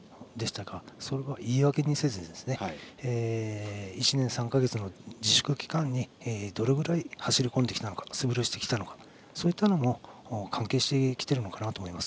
それを言い訳にせず１年３か月の自粛期間にどれぐらい走り込んできたのか素振りをしてきたのかそういったのも関係しているのかなと思います。